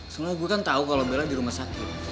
soalnya gue kan tau kalo bella di rumah sakit